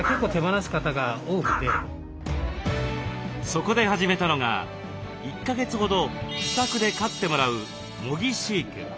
そこで始めたのが１か月ほど自宅で飼ってもらう模擬飼育。